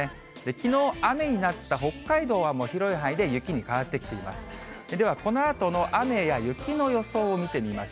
きのう雨になった北海道は、もう広い範囲で雪に変わってきています。